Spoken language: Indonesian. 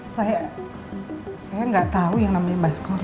saya saya enggak tahu yang namanya baskoro